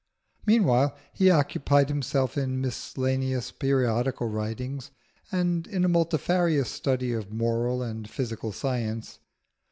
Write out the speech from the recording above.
Meanwhile he occupied himself in miscellaneous periodical writing and in a multifarious study of moral and physical science.